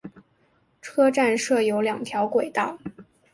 车站设有两条轨道。